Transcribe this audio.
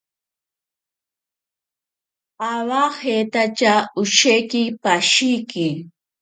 Awajeitaka osheki pashiki.